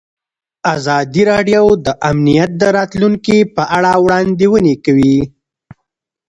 ازادي راډیو د امنیت د راتلونکې په اړه وړاندوینې کړې.